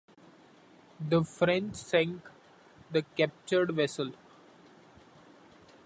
The French sank the captured vessels.